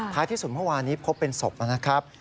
ที่สุดเมื่อวานนี้พบเป็นศพนะครับ